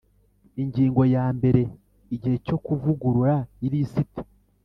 Ingingo yambere Igihe cyo kuvugurura ilisiti